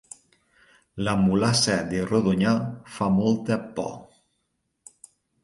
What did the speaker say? La mulassa de Rodonyà fa molta por